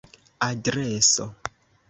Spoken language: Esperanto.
adreso